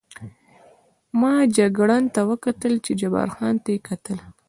ما جګړن ته وکتل، چې جبار خان ته یې کتل.